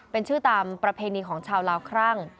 เป็นชื่อตามประเพณีของชาวลาวครั่ง